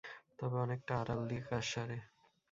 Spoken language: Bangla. তবে অনেকটা আড়াল দিয়ে কাজ সারে।